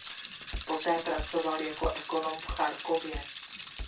Poté pracoval jako ekonom v Charkově.